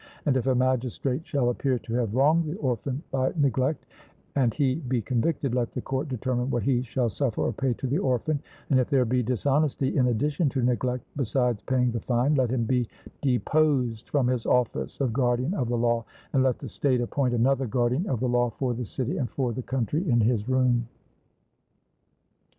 And if a magistrate shall appear to have wronged the orphan by neglect, and he be convicted, let the court determine what he shall suffer or pay to the orphan, and if there be dishonesty in addition to neglect, besides paying the fine, let him be deposed from his office of guardian of the law, and let the state appoint another guardian of the law for the city and for the country in his room.